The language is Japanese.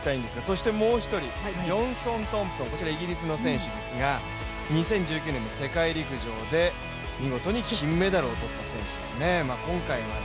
そしてもう１人、ジョンソン・トンプソン、こちらイギリスの選手ですが２０１９年の世界陸上で見事に金メダルを取った選手ですね。